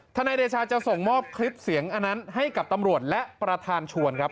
นายเดชาจะส่งมอบคลิปเสียงอันนั้นให้กับตำรวจและประธานชวนครับ